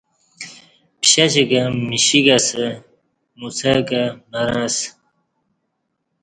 پشش کہ مشیک اسہ موسہ کہ مرں اسہ